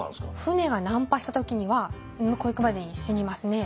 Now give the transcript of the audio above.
船が難破した時には向こう行くまでに死にますね。